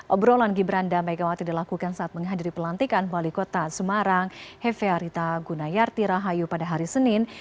obrolan gibran dan megawati dilakukan saat menghadiri pelantikan wali kota semarang hefearita gunayarti rahayu pada hari senin